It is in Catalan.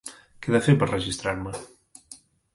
Què he de fer per registrar-me?